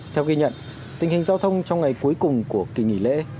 theo ghi nhận tình hình giao thông trong ngày cuối cùng của kỳ nghỉ lễ